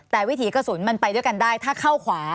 แต่วิถีกระสุนมันไปด้วยกันได้ถ้าเข้าขวา